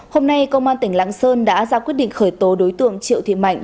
hôm nay công an tỉnh lạng sơn đã ra quyết định khởi tố đối tượng triệu thị mạnh